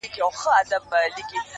او نوي معناوي لټوي ډېر-